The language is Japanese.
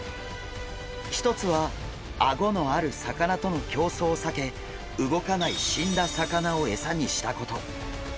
一つはアゴのある魚との競争を避け動かない死んだ魚を餌にしたこと。